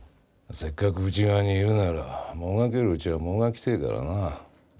せっかく内側にいるならもがけるうちはもがきてえからな。